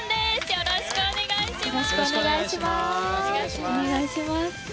よろしくお願いします。